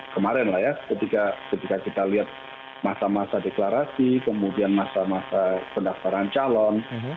kemarin lah ya ketika kita lihat masa masa deklarasi kemudian masa masa pendaftaran calon